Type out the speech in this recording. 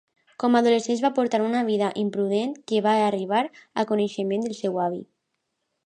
Com adolescent, va portar una vida imprudent, que va arribar a coneixement del seu avi.